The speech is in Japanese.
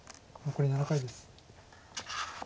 残り７回です。